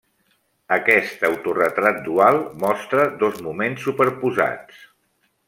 Aquest autoretrat dual mostra dos moments superposats.